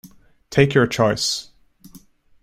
Take your choice!